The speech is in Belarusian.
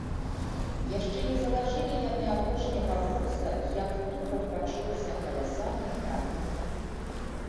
Яшчэ не залажылі яны апошняга бруса, як тупат пачуўся каля самай хаты.